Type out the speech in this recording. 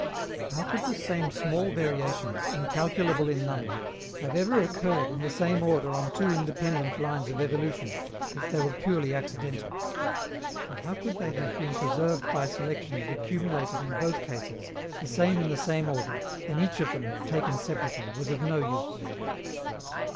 How could the same small variations, incalculable in number, have ever occurred in the same order on two independent lines of evolution, if they were purely accidental? And how could they have been preserved by selection and accumulated in both cases, the same in the same order, when each of them, taken separately, was of no use?